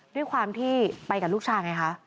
ด้วยความที่ไปกับลูกชายไงคะ